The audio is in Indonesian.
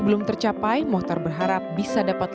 belum tercapai mohtar berharap bisa dapat